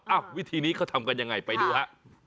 วิธีนี้เขาทำกันยังไงไปดูฮะ